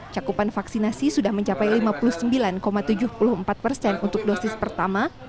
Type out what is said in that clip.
cakupan vaksinasi sudah mencapai lima puluh sembilan tujuh puluh empat persen untuk dosis pertama